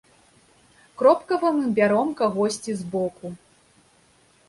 Кропкава мы бяром кагосьці збоку.